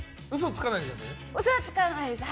嘘はつかないです。